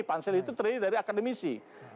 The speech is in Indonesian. pansel itu terdiri dari akademisi